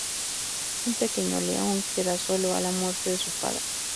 un pequeño león queda solo a la muerte de su padre